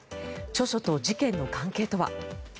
著書と事件の関係とは。